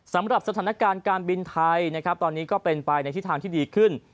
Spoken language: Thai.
สำหรับสถานการณ์การบินไทยนะครับตอนนี้ก็เป็นไปในทิศทางที่ดีขึ้น